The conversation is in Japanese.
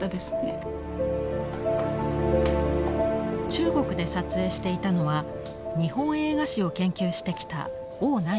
中国で撮影していたのは日本映画史を研究してきた王乃真さん。